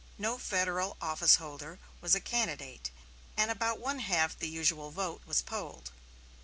No Federal office holder was a candidate, and about one half the usual vote was polled.